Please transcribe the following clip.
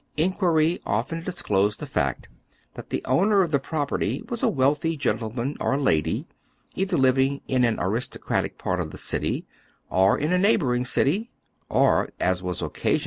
" Inquiry often dis closed the fact that the owner of the property was a wealthy gentleman or lady, either living in an aristocratic part of the city, or in a neighboring city, or, as was ocea siou.